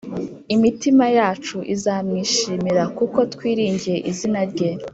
Imitima yacu izamwishimira, kuko twiringiye izina rye